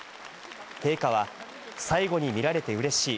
陛下は最後に見られてうれしい。